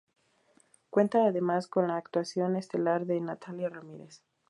Cuenta además con la actuación estelar de Natalia Ramírez.